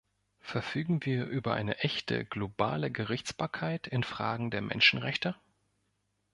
Verfügen wir über eine echte globale Gerichtsbarkeit in Fragen der Menschenrechte?